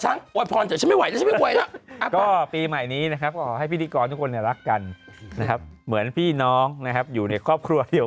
ค่าเงินบาทก็แข็งอยู่นี่ไง